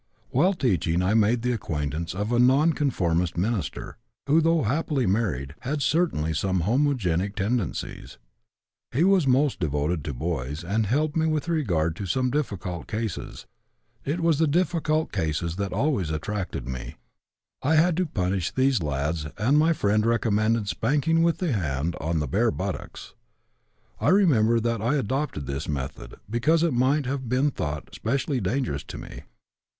"While teaching I made the acquaintance of a non conformist minister, who, though happily married, had certainly some homogenic tendencies. He was most devoted to boys and helped me with regard to some difficult cases. It was the difficult cases that always attracted me. I had to punish these lads and my friend recommended spanking with the hand on the bare buttocks. I mention that I adopted this method, because it might have been thought specially dangerous to me.